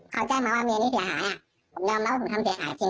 เขาแจ้งมาว่าเมียนี้เสียหายผมยอมรับว่าผมทำเสียหายจริง